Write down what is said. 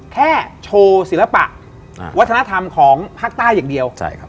แค่โชว์ศิลปะวัฒนธรรมของภาคใต้อย่างเดียวใช่ครับ